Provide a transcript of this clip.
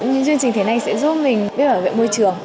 những chương trình thế này sẽ giúp mình biết bảo vệ môi trường